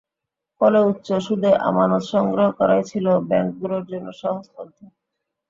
ফলে উচ্চ সুদে আমানত সংগ্রহ করাই ছিল ব্যাংকগুলোর জন্য সহজ পন্থা।